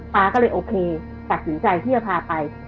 ๊าก็เลยโอเคตัดสินใจที่จะพาไป